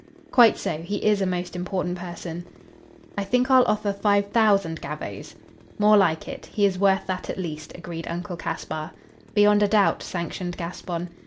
"Quite so; he is a most important person. I think I'll offer five thousand gavvos." "More like it. He is worth that, at least," agreed Uncle Caspar. "Beyond a doubt," sanctioned Gaspon.